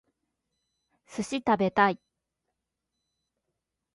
寿司食べたい